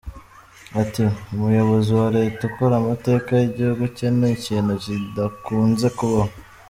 Ati “ Umuyobozi wa leta ukora amateka y’igihugu cye ni ikintu kidakunze kubaho.